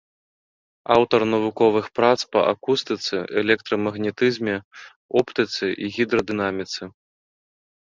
Аўтар навуковых прац па акустыцы, электрамагнетызме, оптыцы і гідрадынаміцы.